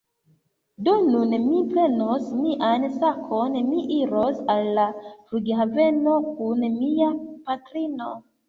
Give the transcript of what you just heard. Do nun mi prenos mian sakon. Mi iros al la flughaveno kun mia patrino